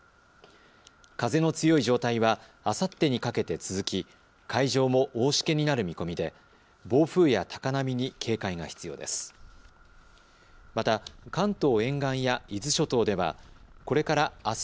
風の強い状態はあさってにかけて続き、海上も大しけになる見込みで暴風や高波に警戒が必要です。